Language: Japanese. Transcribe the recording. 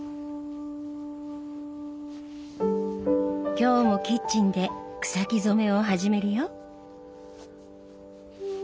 今日もキッチンで草木染めを始めるよ。